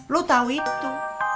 lo tau itu